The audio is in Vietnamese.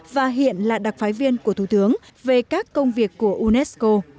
và hiện là đặc phái viên của thủ tướng về các công việc của unesco